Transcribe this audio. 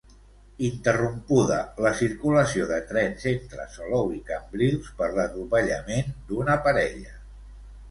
Interrompuda la circulació de trens entre Salou i Cambrils per l'atropellament d'una parella.